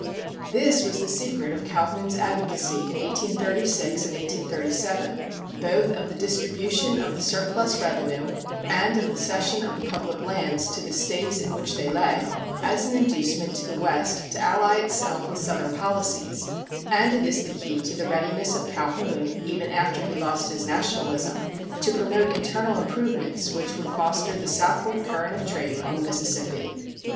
This was the secret of Calhoun's advocacy in 1836 and 1837 both of the distribution of the surplus revenue and of the cession of the public lands to the States in which they lay, as an inducement to the West to ally itself with Southern policies; and it is the key to the readiness of Calhoun, even after he lost his nationalism, to promote internal improvements which would foster the southward current of trade on the Mississippi.